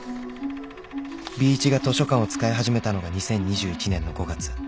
Ｂ 一が図書館を使い始めたのが２０２１年の５月